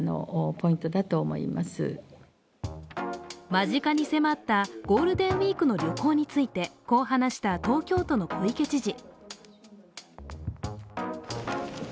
間近に迫ったゴールデンウィークの旅行についてこう話した東京都の小池知事。